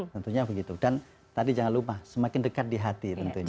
tentunya begitu dan tadi jangan lupa semakin dekat di hati tentunya